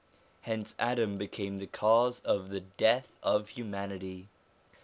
Hence Adam became the cause of the death of humanity.